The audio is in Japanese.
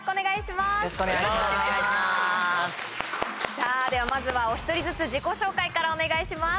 さぁではまずはお１人ずつ自己紹介からお願いします。